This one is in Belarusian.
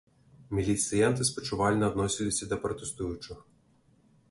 Міліцыянты спачувальна адносіліся да пратэстуючых.